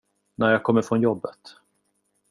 När jag kommer från jobbet.